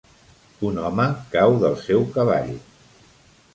Un home cau del seu cavall.